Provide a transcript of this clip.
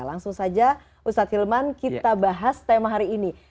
langsung saja ustadz hilman kita bahas tema hari ini